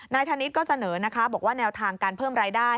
ธนิษฐ์ก็เสนอนะคะบอกว่าแนวทางการเพิ่มรายได้